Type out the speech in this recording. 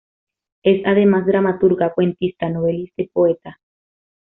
Es, además dramaturga, cuentista, novelista y poeta.